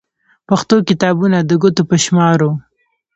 پښتو کتابونه د ګوتو په شمار وو.